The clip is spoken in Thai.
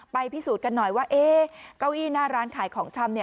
พิสูจน์กันหน่อยว่าเก้าอี้หน้าร้านขายของชำเนี่ย